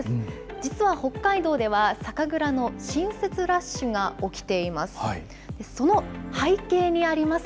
実は北海道では酒蔵の新設ラッシュが起きています。